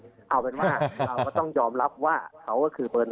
เอาเป็นว่าเราก็ต้องยอมรับว่าเขาก็คือเบิร์ต